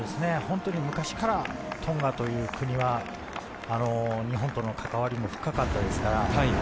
本当に昔からトンガという国は、日本との関わりも深かったですから。